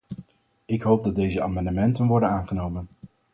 Ik hoop dat deze amendementen worden aangenomen.